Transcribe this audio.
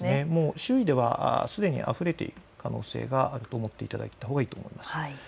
周囲ではすでにあふれている可能性があると思っていただいたほうがいいかもしれません。